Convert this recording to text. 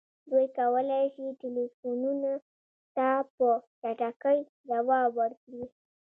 دوی کولی شي ټیلیفونونو ته په چټکۍ ځواب ورکړي